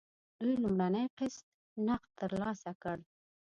دوی لومړنی قسط نغد ترلاسه کړ.